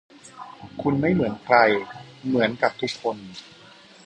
คุณ ไม่เหมือนใคร เหมือนกับ ทุกคน